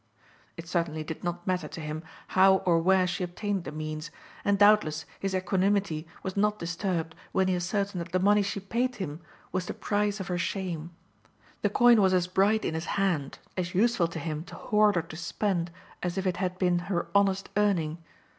It certainly did not matter to him how or where she obtained the means, and doubtless his equanimity was not disturbed when he ascertained that the money she paid him was the price of her shame. The coin was as bright in his hand, as useful to him to hoard or to spend, as if it had been her honest earning.